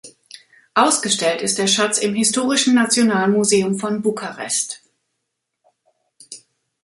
Ausgestellt ist der Schatz im Historischen Nationalmuseum von Bukarest.